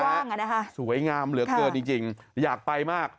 ว่างอ่ะนะคะสวยงามเหลือเกินจริงอยากไปมาก